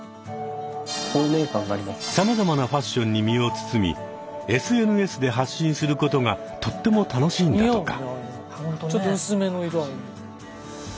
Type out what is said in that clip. さまざまなファッションに身を包みＳＮＳで発信することがとっても楽しいんだとか。